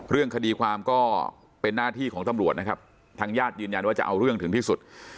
เรื่องคดีความก็เป็นหน้าที่ของตำรวจนะครับทางญาติยืนยันว่าจะเอาเรื่องถึงที่สุด